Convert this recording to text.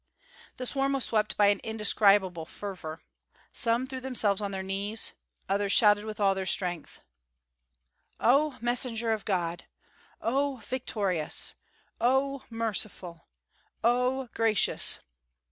The swarm was swept by an indescribable fervor. Some threw themselves on their knees; others shouted with all their strength: "Oh! Messenger of God!" "Oh! Victorious!" "Oh! Merciful!" "Oh! Gracious!"